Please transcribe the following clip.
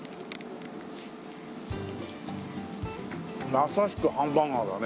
まさしくハンバーガーだね。